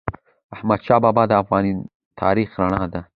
احمدشاه بابا د افغان تاریخ رڼا ده.